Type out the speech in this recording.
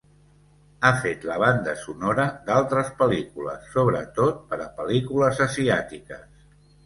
Ha fet la banda sonora d'altres pel·lícules, sobretot per a pel·lícules asiàtiques.